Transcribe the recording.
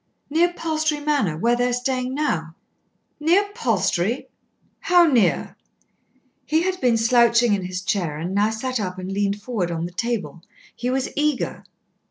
"Near Palstrey Manor, where they are staying now." "Near Palstrey! How near?" He had been slouching in his chair and now sat up and leaned forward on the table. He was eager.